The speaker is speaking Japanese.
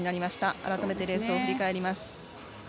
改めてレースを振り返ります。